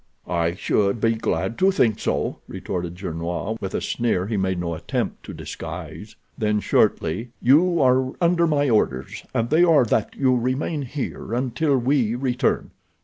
"I should be glad to think so," retorted Gernois, with a sneer he made no attempt to disguise. Then shortly: "You are under my orders, and they are that you remain here until we return.